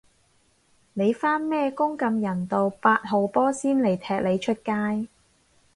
你返咩工咁人道，八號波先嚟踢你出街